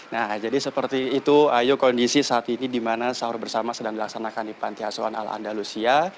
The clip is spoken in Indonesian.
nah jadi seperti itu ayu kondisi saat ini di mana sahur bersama sedang dilaksanakan di panti asuhan al andalusia